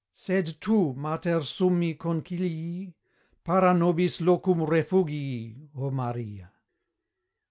Sed tu, Mater summi concilii, Para nobis locum refugii, O Maria.